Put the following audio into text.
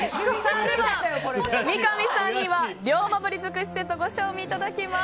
では、三上さんには龍馬鰤尽くしセットをご賞味いただきます。